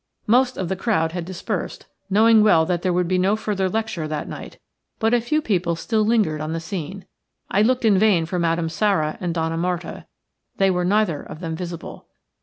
Most of the crowd had dispersed, knowing well that there would be no further lecture that night, but a few people still lingered on the scene. I looked in vain for Madame Sara and Donna Marta; they were neither of them visible.